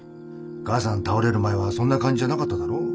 母さん倒れる前はそんな感じじゃなかっただろ？